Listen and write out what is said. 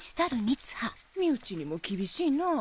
身内にも厳しいなぁ。